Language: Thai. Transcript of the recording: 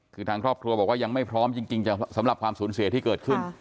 คือทางครอบครัวบอกว่ายังไม่พร้อมจริงสำหรับความสูญเสียที่เกิดขึ้น